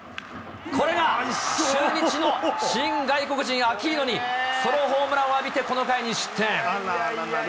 これが中日の新外国人、アキーノにソロホームランを浴びて、この回、２失点。